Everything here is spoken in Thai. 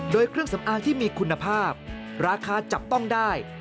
โดยเครื่องสำอางที่มีคุณภาพราคาจับต้องได้